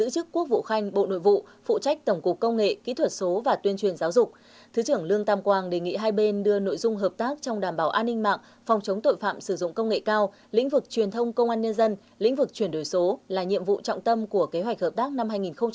thứ trưởng lương tam quang đề nghị hai bên đưa nội dung hợp tác trong đảm bảo an ninh mạng phòng chống tội phạm sử dụng công nghệ cao lĩnh vực truyền thông công an nhân dân lĩnh vực chuyển đổi số là nhiệm vụ trọng tâm của kế hoạch hợp tác năm hai nghìn hai mươi bốn